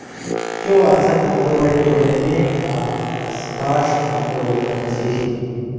چو اڅھک (مکروہ تحریمی) آں اڅھکاݜ (مکروہ تنزیہی)۔